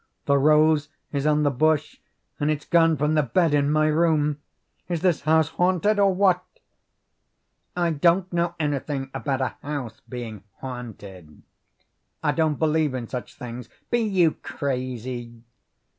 "The rose is on the bush, and it's gone from the bed in my room! Is this house haunted, or what?" "I don't know anything about a house being haunted. I don't believe in such things. Be you crazy?"